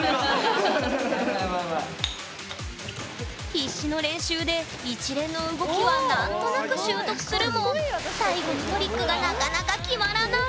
必死の練習で一連の動きは何となく習得するも最後のトリックがなかなか決まらない！